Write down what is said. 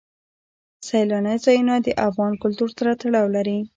سیلانی ځایونه د افغان کلتور سره تړاو لري.